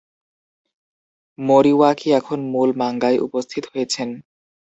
মোরিওয়াকি এখন মূল মাঙ্গায় উপস্থিত হয়েছেন।